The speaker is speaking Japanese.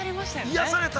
◆癒やされた！